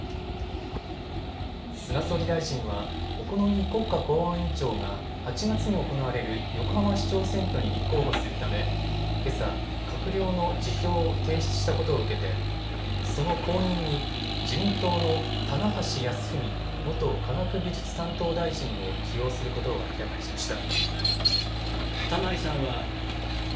菅総理大臣は小此木国家公安委員長が８月に行われる横浜市長選挙に立候補するためけさ、閣僚の辞表を提出したことを受けてその後任に自民党の棚橋泰文元科学技術担当大臣を起用することを明らかにしました。